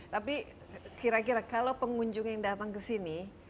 tapi kira kira kalau pengunjung yang datang ke sini